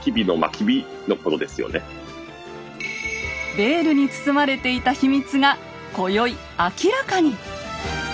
ベールに包まれていた秘密が今宵明らかに！